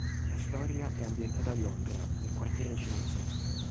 La storia è ambientata a Londra, nel quartiere cinese.